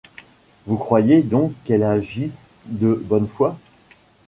Vous croyez donc qu’elle agit de bonne foi ?